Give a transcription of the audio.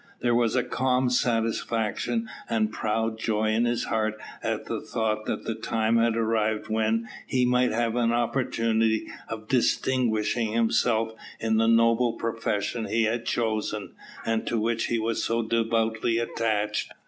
There was a calm satisfaction and proud joy in his heart at the thought that the time had arrived when he might have an opportunity of distinguishing himself in the noble profession he had chosen, and to which he was so devotedly attached.